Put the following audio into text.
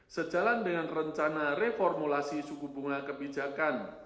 sejalan dengan rencana reformulasi suku bunga kebijakan